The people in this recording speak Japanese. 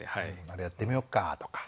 「あれやってみよっか」とか。